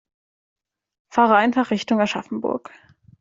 Fahre einfach Richtung Aschaffenburg